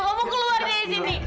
kamu keluar dari sini